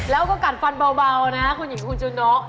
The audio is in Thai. แล้วก็กัดฟันเบานะคุณหญิงคุณจูเนาะ